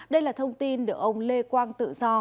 đây là thông tin được ông lê quang tự do